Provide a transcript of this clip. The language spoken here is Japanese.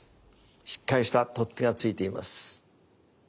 しっかりした取っ手が付いています。